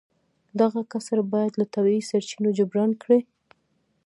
دغه کسر باید له طبیعي سرچینو جبران کړي